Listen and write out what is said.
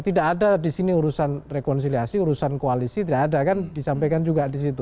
tidak ada di sini urusan rekonsiliasi urusan koalisi tidak ada kan disampaikan juga di situ